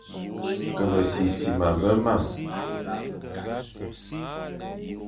Ke besisima be marne,